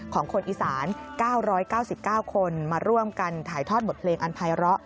ของคนอีสาน๙๙๙คนมาร่วมกันถ่ายทอดบทเพลงอันภัยร้อ